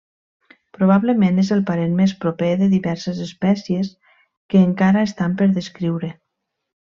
Probablement és el parent més proper de diverses espècies que encara estan per descriure.